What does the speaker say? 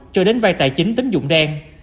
cho đến vai tài chính tính dụng đen